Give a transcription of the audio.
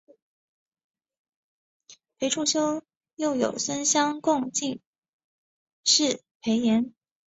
裴处休又有孙乡贡进士裴岩。